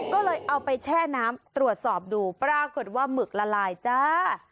ก็เลยเอาไปแช่น้ำตรวจสอบดูปรากฏว่าหมึกละลายจ้า